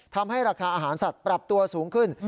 ทำให้ราคาอาหารสัตว์ปรับตัวสูงขึ้น